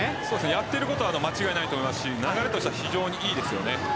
やってることは間違いないと思いますし流れとしては非常にいいです。